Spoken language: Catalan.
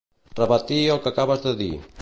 Repetir el que acabes de dir.